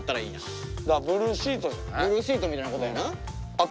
ブルーシートみたいなことやな。